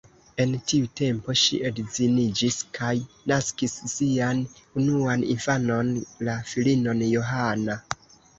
En tiu tempo ŝi edziniĝis kaj naskis sian unuan infanon, la filinon Johanna.